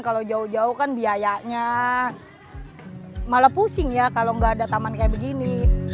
kalau jauh jauh kan biayanya malah pusing ya kalau nggak ada taman kayak begini